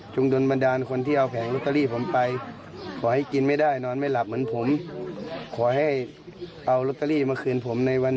คุณแล้วคิดดูสิคือช่วงนี้มันเป็นโค้กสุดท้ายแล้ว